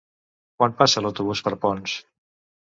Quan passa l'autobús per Ponts?